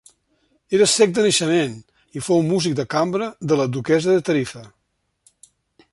Era cec de naixement i fou músic de cambra de la duquessa de Tarifa.